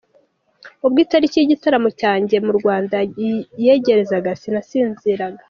Ubwo itariki y’igitaramo cyanjye mu Rwanda yegerezaga sinasinziraga.